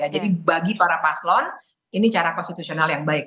jadi bagi para paslon ini cara konstitusional yang baik